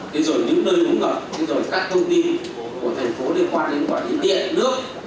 đến rồi những nơi đúng gặp đến rồi các thông tin của thành phố liên quan đến nguồn điện nước